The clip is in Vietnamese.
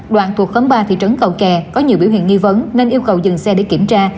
đoạn thuộc khóm ba thị trấn cầu kè có nhiều biểu hiện nghi vấn nên yêu cầu dừng xe để kiểm tra